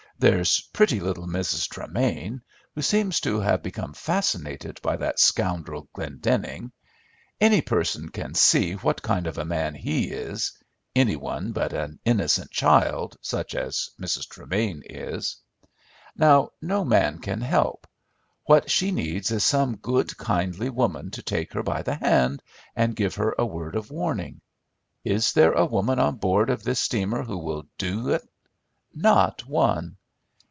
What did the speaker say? "There's pretty little Mrs. Tremain, who seems to have become fascinated by that scoundrel Glendenning. Any person can see what kind of a man he is—any one but an innocent child, such as Mrs. Tremain is. Now, no man can help. What she needs is some good kindly woman to take her by the hand and give her a word of warning. Is there a woman on board of this steamer who will do it? Not one.